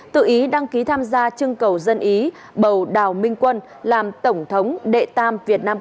tự ý đăng ký tham gia chương cầu dân ý bầu đào minh quân làm tổng thống đệ tam việt nam